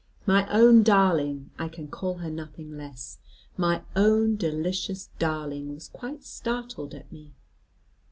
My own darling I can call her nothing less my own delicious darling was quite startled at me.